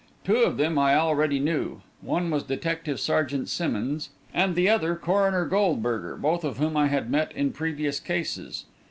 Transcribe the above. Two of them I already knew. One was Detective sergeant Simmonds, and the other Coroner Goldberger, both of whom I had met in previous cases.